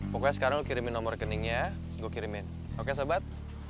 pokoknya sekarang kirimin nomor rekeningnya gue kirimin oke sobat